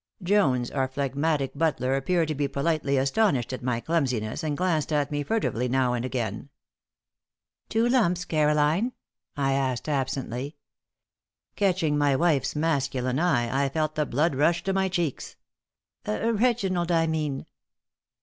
Jones, our phlegmatic butler, appeared to be politely astonished at my clumsiness and glanced at me furtively now and again. "Two lumps, Caroline?" I asked, absently. Catching my wife's masculine eye, I felt the blood rush to my cheeks. "Reginald, I mean!"